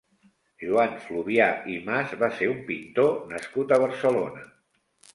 Joan Fluvià i Mas va ser un pintor nascut a Barcelona.